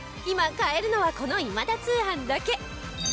今買えるのはこの『今田通販』だけ！